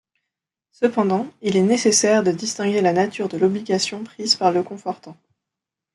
Cependant, il est nécessaire de distinguer la nature de l'obligation prise par le confortant.